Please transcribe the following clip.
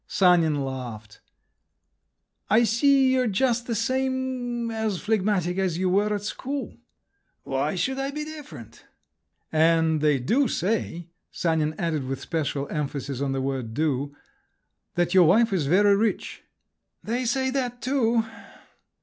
Sanin laughed. "I see you're just the same … as phlegmatic as you were at school." "Why should I be different?" "And they do say," Sanin added with special emphasis on the word "do," "that your wife is very rich." "They say that too."